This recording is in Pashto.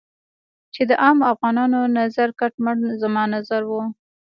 چې د عامو افغانانو نظر کټ مټ زما نظر و.